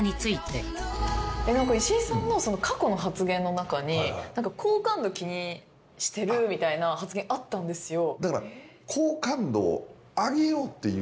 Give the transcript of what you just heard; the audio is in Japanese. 石井さんの過去の発言の中に好感度気にしてるみたいな発言あったんですよ。